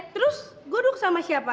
terus gue duduk sama siapa